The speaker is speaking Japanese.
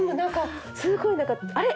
すごい何かあれ？